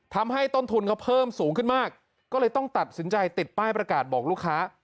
ต้นทุนเขาเพิ่มสูงขึ้นมากก็เลยต้องตัดสินใจติดป้ายประกาศบอกลูกค้า